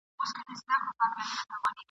له مرحوم انجنیر سلطان جان کلیوال سره مي ..